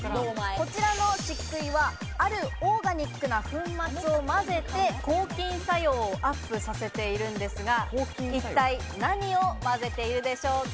こちらの漆喰は、あるオーガニックな粉末を混ぜて抗菌作用をアップさせているんですが、一体何を混ぜているんでしょうか？